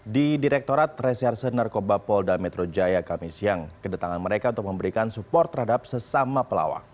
di direktorat reserse narkoba polda metro jaya kami siang kedatangan mereka untuk memberikan support terhadap sesama pelawak